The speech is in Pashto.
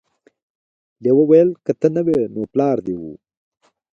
لیوه وویل که ته نه وې نو پلار دې و.